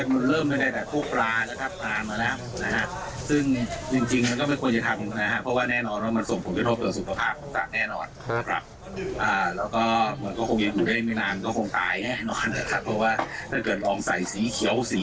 มันเป็นการย้อมสีโดยตรงอย่างนี้